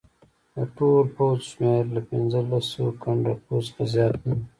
د ټول پوځ شمېر له پنځه لسو کنډکو څخه زیات نه وي.